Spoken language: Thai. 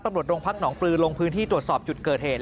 ตำรวจโรงพักหนองปลือลงพื้นที่ตรวจสอบจุดเกิดเหตุ